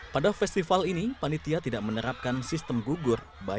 pada festival ini panitia tidak menerapkan sistem gugur